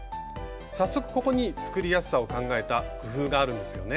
早速ここに作りやすさを考えた工夫があるんですよね？